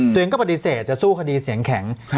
ตัวเองก็ปฏิเสธจะสู้คดีเสียงแข็ง